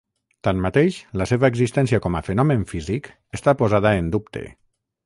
Tanmateix la seva existència com a fenomen físic està posada en dubte.